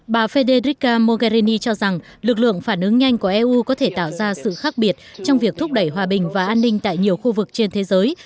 bà federica mogherini cho rằng lực lượng phản ứng nhanh của eu có thể tạo ra sự khác biệt trong việc thúc đẩy hòa bình và an ninh tại nhiều khu vực trên thế giới